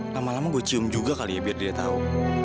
lama lama gue cium juga kali ya biar dia tahu